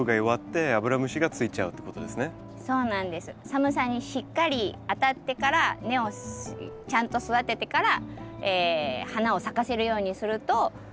寒さにしっかりあたってから根をちゃんと育ててから花を咲かせるようにするとこんな感じ。